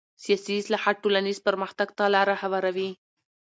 سیاسي اصلاحات ټولنیز پرمختګ ته لاره هواروي